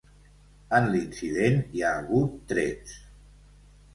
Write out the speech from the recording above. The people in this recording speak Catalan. En l’incident hi ha hagut trets.